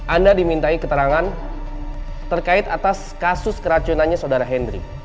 anda dimintai keterangan terkait atas kasus keracunannya saudara hendry